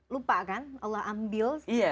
lupa kan allah ambil